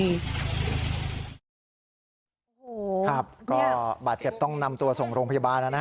โอ้โหครับก็บาดเจ็บต้องนำตัวส่งโรงพยาบาลนะฮะ